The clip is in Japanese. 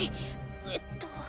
えっと